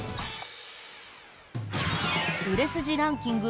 売れ筋ランキング